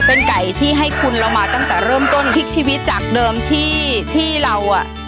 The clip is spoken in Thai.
เป็นไก่ที่ให้คุณเรามาตั้งแต่เริ่มต้นพลิกชีวิตจากเดิมที่ที่เราอ่ะ